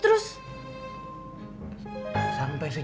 tidak ada yang ngerti